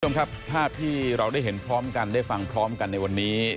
คุณผู้ชมครับภาพที่เราได้เห็นพร้อมกันได้ฟังพร้อมกันในวันนี้